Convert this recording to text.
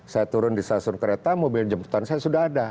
saya turun di stasiun kereta mobil jemputan saya sudah ada